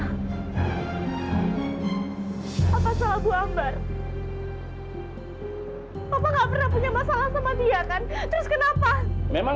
apa salah gua ambar apa nggak pernah punya masalah sama dia kan terus kenapa memang